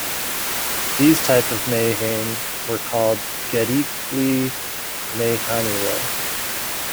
These type of meyhane were called "Gedikli Meyhaneler".